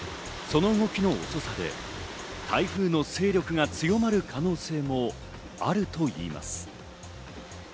その動きの遅さで台風の勢力が強まる可能性もあるといいます。